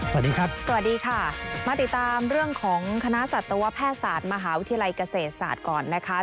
สวัสดีครับสวัสดีค่ะมาติดตามเรื่องของคณะสัตวแพทย์ศาสตร์มหาวิทยาลัยเกษตรศาสตร์ก่อนนะคะ